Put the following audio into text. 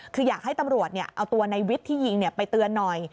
คืออยากให้ตำรวจเอาตัวในวิทย์ที่ยิงไปเตือนหน่อย